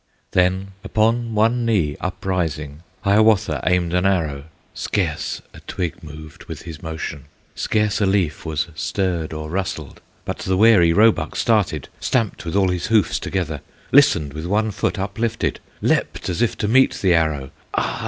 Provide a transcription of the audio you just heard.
Then, upon one knee uprising, Hiawatha aimed an arrow; Scarce a twig moved with his motion, Scarce a leaf was stirred or rustled, But the wary roebuck started, Stamped with all his hoofs together, Listened with one foot uplifted, Leaped as if to meet the arrow; Ah!